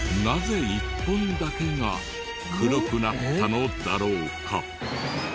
なぜ１本だけが黒くなったのだろうか？